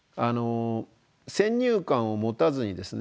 先入観を持たずにですね